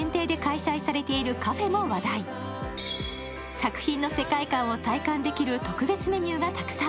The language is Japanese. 作品の世界観を体感できる特別メニューがたくさん。